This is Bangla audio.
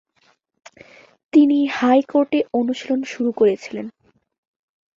তিনি হাইকোর্টে অনুশীলন শুরু করেছিলেন।